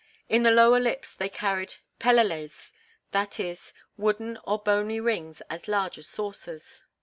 In the lower lips they carried "peleles," that is, wooden or bony rings as large as saucers.